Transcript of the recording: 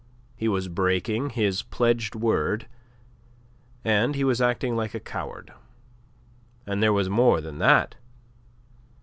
He was breaking his pledged word, and he was acting like a coward. And there was more than that.